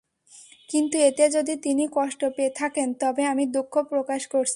কিন্তু এতে যদি তিনি কষ্ট পেয়ে থাকেন, তবে আমি দুঃখ প্রকাশ করছি।